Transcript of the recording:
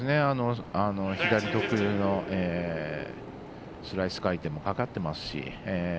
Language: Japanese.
左特有のスライス回転もかかってますし。